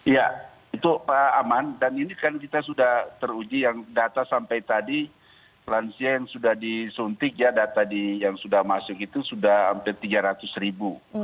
ya itu aman dan ini kan kita sudah teruji yang data sampai tadi lansia yang sudah disuntik ya data yang sudah masuk itu sudah hampir tiga ratus ribu